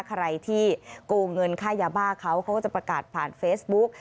ใครที่โกงเงินค่ายาบ้าเขาเขาก็จะประกาศผ่านเฟซบุ๊ก